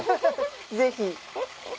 ぜひ。